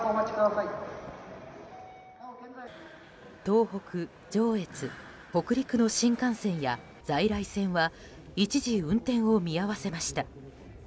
東北、上越、北陸の新幹線や在来線は一時運転を見合わせました。